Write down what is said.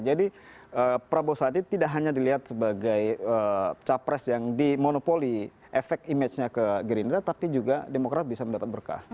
jadi prabowo sandi tidak hanya dilihat sebagai capres yang dimonopoli efek image nya ke gerindra tapi juga demokrat bisa mendapat berkah